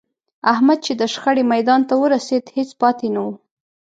احمد چې د شخړې میدان ته ورسېد، هېڅ پاتې نه و.